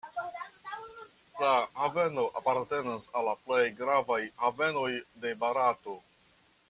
La haveno apartenas al la plej gravaj havenoj de Barato.